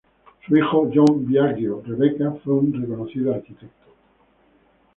Su hijo, John Biagio Rebecca, fue un reconocido arquitecto.